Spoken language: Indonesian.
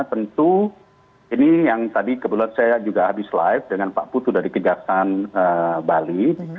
tentu ini yang tadi kebetulan saya juga habis live dengan pak putu dari kejaksaan bali